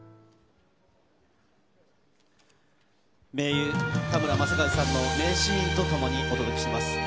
名優、田村正和さんの名シーンと共にお届けします。